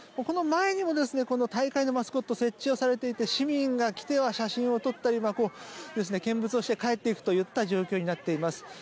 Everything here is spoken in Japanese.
この前にも大会のマスコット設置されていて市民が来ては写真を撮ったり見物をして帰っていくといった状況になっています。